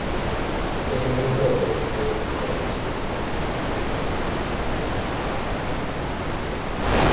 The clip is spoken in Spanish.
Es miembro de "The Endicott Studio".